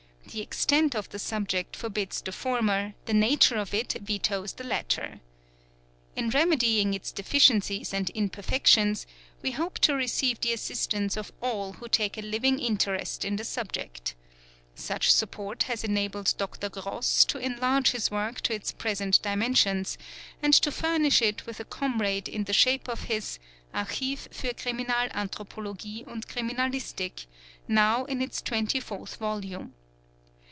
The extent of the subject forbids the former, the nature of it vetoes the latter. In remedying its deficiencies and imperfections, we hope to receive the assistance of all who take a living interest in the subject. 'Such support has enabled Dr. Gross to enlarge his work to its present dimensions, and | to furnish it with a comrade in the shape of his "Archiv fur Kriminal Anthropologie und Kriminalistik"', now in its twenty fourth volume.